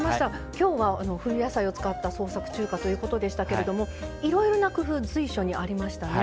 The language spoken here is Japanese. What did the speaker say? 今日は冬野菜を使った創作中華ということでしたけれどもいろいろな工夫随所にありましたね。